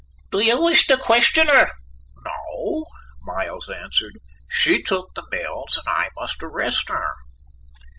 "Do you wish to question her?" "No," Miles answered. "She took the bills and I must arrest her."